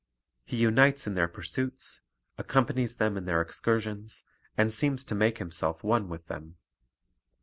He unites in their pur suits, accompanies them in their excursions, and seems to make himself one with them.